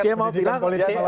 dia mau bilang